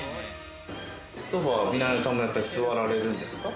ソファー、美奈代さんもやっぱり座られるんですか？